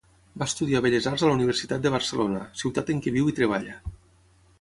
Va estudiar Belles Arts a la Universitat de Barcelona, ciutat en què viu i treballa.